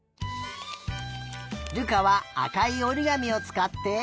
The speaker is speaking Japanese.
瑠珂はあかいおりがみをつかって。